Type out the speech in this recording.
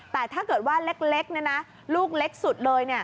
แต่ถ้าเกิดว่าเล็กลูกเล็กสุดเลย